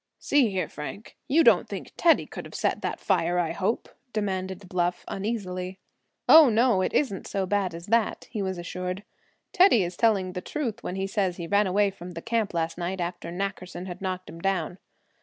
"See here, Frank, you don't think Teddy could have set that fire, I hope?" demanded Bluff, uneasily. "Oh! no, it isn't so bad as that," he was assured. "Teddy is telling us the truth when he says he ran away from the camp last night, after Nackerson had knocked him down."